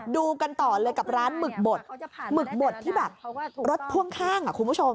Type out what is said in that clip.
ดูกันต่อเลยกับร้านหมึกบดหมึกบดที่แบบรถพ่วงข้างอ่ะคุณผู้ชม